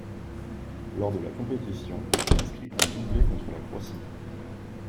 Lors de la compétition, il inscrit un doublé contre la Croatie.